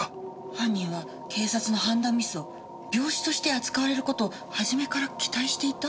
犯人は警察の判断ミスを病死として扱われる事を初めから期待していた？